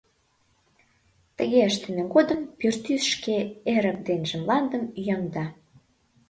Тыге ыштыме годым пӱртӱс шке эрык денже мландым ӱяҥда.